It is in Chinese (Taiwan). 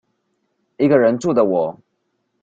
一個人住的我